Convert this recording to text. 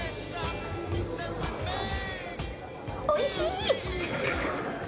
おいしい！